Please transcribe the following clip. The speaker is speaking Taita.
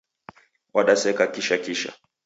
Wadaseka kisha kisha